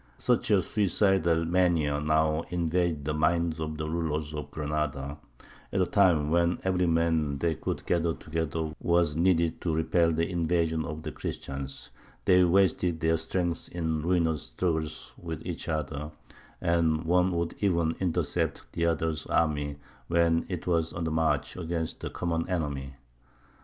Such a suicidal mania now invaded the minds of the rulers of Granada; at a time when every man they could gather together was needed to repel the invasion of the Christians, they wasted their strength in ruinous struggles with each other, and one would even intercept the other's army when it was on the march against the common enemy.